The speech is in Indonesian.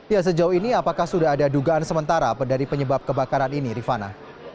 ya sejauh ini apakah sudah ada dugaan sementara dari penyebab kebakaran ini rifana